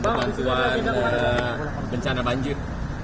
bantuan bencana banjir